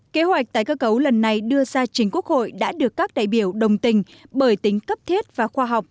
kế hoạch tái cơ cấu lần này đưa ra chính quốc hội đã được các đại biểu đồng tình bởi tính cấp thiết và khoa học